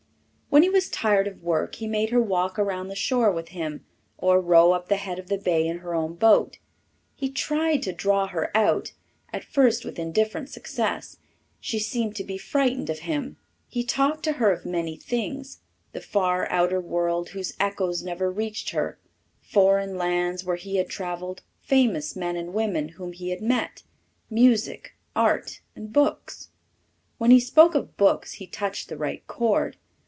When he was tired of work he made her walk around the shore with him, or row up the head of the bay in her own boat. He tried to draw her out, at first with indifferent success. She seemed to be frightened of him. He talked to her of many things the far outer world whose echoes never reached her, foreign lands where he had travelled, famous men and women whom he had met, music, art and books. When he spoke of books he touched the right chord.